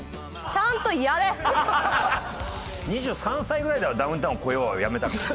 ２３歳ぐらいでは「ダウンタウンを超えよう」はやめたから。